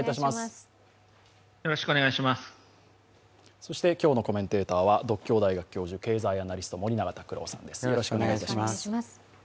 そして今日のコメンテーターは獨協大学教授、経済アナリストの森永卓郎さんです。